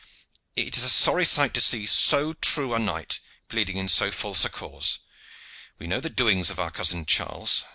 "It is a sorry sight to see so true a knight pleading in so false a cause. We know the doings of our cousin Charles.